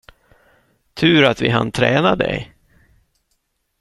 Tur att vi hann träna dig.